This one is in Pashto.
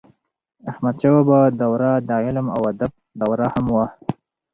احمدشاه بابا دوره د علم او ادب دوره هم وه.